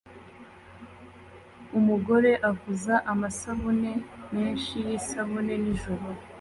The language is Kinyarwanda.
Umugore avuza amasabune menshi yisabune nijoro